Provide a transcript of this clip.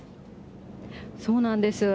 そうなんです。